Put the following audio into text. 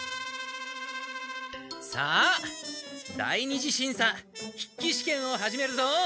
さあ第二次審査筆記試験を始めるぞ。